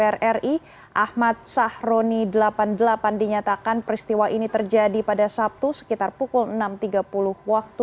dpr ri ahmad sahroni delapan puluh delapan dinyatakan peristiwa ini terjadi pada sabtu sekitar pukul enam tiga puluh waktu